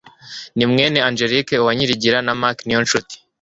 Ni mwene Angelique Uwanyirigira na Marc Niyonshuti.